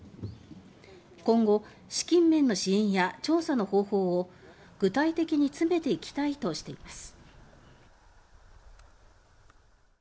今後、資金面の支援や調査の方法を具体的に詰めていきたいとしています。